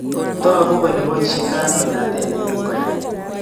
tangu kole baishen kandoinatet nenyin ko yait